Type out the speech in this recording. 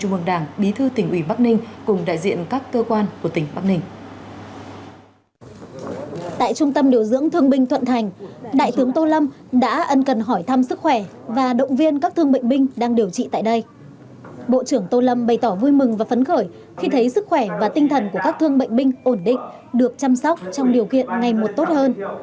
bộ trưởng tô lâm bày tỏ vui mừng và phấn khởi khi thấy sức khỏe và tinh thần của các thương bệnh binh ổn định được chăm sóc trong điều kiện ngày một tốt hơn